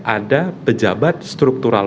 ada pejabat struktural